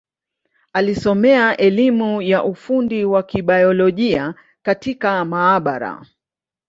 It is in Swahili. Alisomea elimu ya ufundi wa Kibiolojia katika maabara.